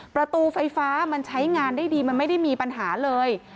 ประตูไฟฟ้ามันใช้งานได้ดีมันไม่ได้มีปัญหาเลย